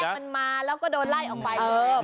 มันมาแล้วก็โดนไล่ออกไปเลย